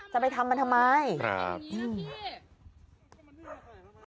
จะไปทำมันทำไมอืมครับ